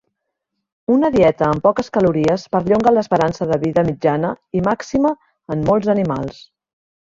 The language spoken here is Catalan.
Una dieta amb poques calories perllonga l'esperança de vida mitjana i màxima en molts animals.